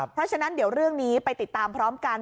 เพราะฉะนั้นเดี๋ยวเรื่องนี้ไปติดตามพร้อมกัน